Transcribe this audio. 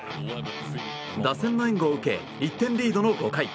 打線の援護を受け１点リードの５回。